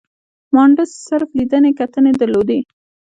مانډس صرف لیدنې کتنې درلودې.